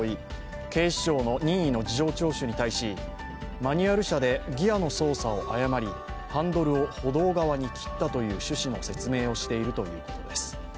マニュアル車でギヤの操作を誤りハンドルを歩道側に切ったという趣旨の説明をしているということです。